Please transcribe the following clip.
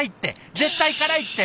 絶対辛いって！